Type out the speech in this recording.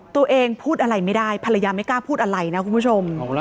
ตัวเองพูดอะไรไม่ได้ภรรยาไม่กล้าพูดอะไรนะคุณผู้ชม